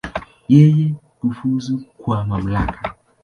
Yeye kufuzu kwa mamlaka.